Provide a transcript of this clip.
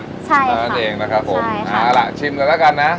ใช่ค่ะนั่นเองนะครับผมใช่ค่ะเอาละชิมกันแล้วกันนะ